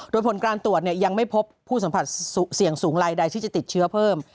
โดยผลการตรวจยังไม่พบผู้สัมผัสเสี่ยงสูงลายใดที่จะติดเชื้อเพิ่ม